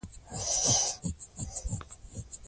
هېواد ته وفادار پاتې شئ.